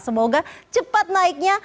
semoga cepat naiknya